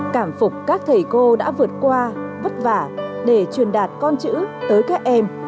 cảm phục các thầy cô đã vượt qua vất vả để truyền đạt con chữ tới các em